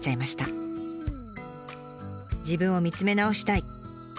「自分を見つめ直したい」。